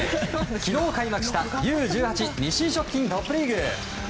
昨日開幕したＵ‐１８日清食品トップリーグ。